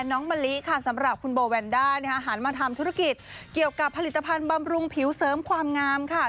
มะลิค่ะสำหรับคุณโบแวนด้าหันมาทำธุรกิจเกี่ยวกับผลิตภัณฑ์บำรุงผิวเสริมความงามค่ะ